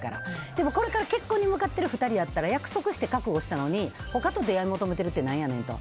でもこれから結婚に向かってる２人だったら約束して覚悟したのに他と出会い求めてるって何やねんと。